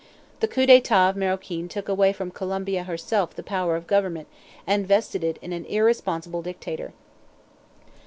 The coup d'etat of Maroquin took away from Colombia herself the power of government and vested it in an irresponsible dictator.